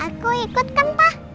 aku ikut kan pak